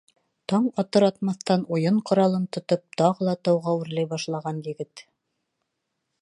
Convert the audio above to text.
Таң атыр-атмаҫтан уйын ҡоралын тотоп тағы ла тауға үрләй башлаған егет.